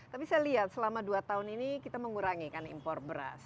tapi saya lihat selama dua tahun ini kita mengurangi kan impor beras